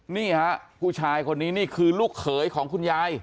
นี่ฮะผู้ชายคนนี้นี่คือลูกเขยของคุณยาย